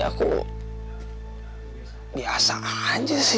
aku biasa aja sih